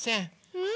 うん？